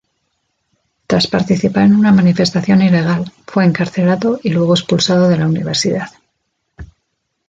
Tras participar en una manifestación ilegal, fue encarcelado y luego expulsado de la universidad.